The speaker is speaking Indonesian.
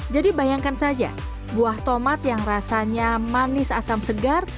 jadi bayangkan saja buah tomat yang rasanya manis asam segar